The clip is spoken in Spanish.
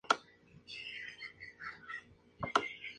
Son de color púrpura o con flores blancas.